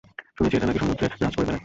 শুনেছি ওটা নাকি সমুদ্রে রাজ করে বেড়ায়।